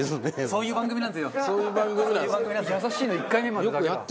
そういう番組なんですか？